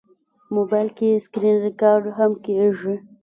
موبایل کې سکرینریکارډ هم کېږي.